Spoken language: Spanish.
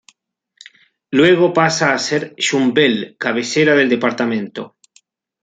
Luego pasa a ser Yumbel, cabecera del departamento.